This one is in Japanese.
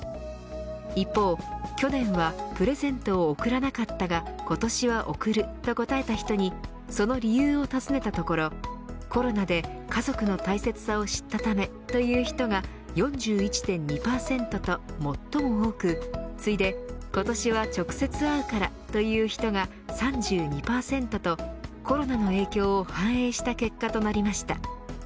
一方、去年はプレゼントを贈らなかったが今年は贈ると答えた人にその理由を尋ねたところコロナで家族の大切さを知ったためという人が４１．２％と最も多く次いで今年は直接会うからという人が３２％とコロナの影響を反映した結果となりました。